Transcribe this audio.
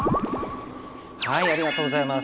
ありがとうございます。